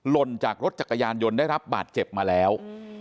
ลนจากรถจักรยานยนต์ได้รับบาดเจ็บมาแล้ว